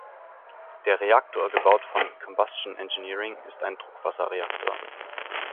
Der Reaktor, gebaut von Combustion Engineering, ist ein Druckwasserreaktor.